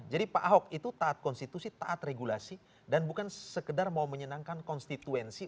jadi pak ahok itu taat konstitusi taat regulasi dan bukan sekedar mau menyenangkan konstituensi